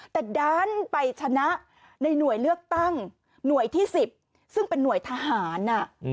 แต่ดันไปชนะในหน่วยเลือกตั้งหน่วยที่๑๐ซึ่งเป็นหน่วยทหาร